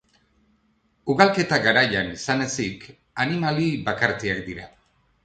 Ugalketa garaian izan ezik, animali bakartiak dira.